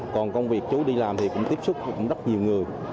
còn công việc chú đi làm thì cũng tiếp xúc rất nhiều người